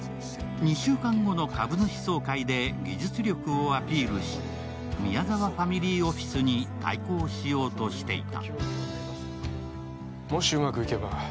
２週間後の株主総会で技術力をアピールし宮沢ファミリーオフィスに対抗しようとしていた。